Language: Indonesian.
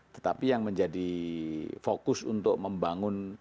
tetapi yang menjadi fokus untuk membangun